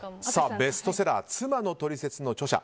ベストセラー「妻のトリセツ」の著者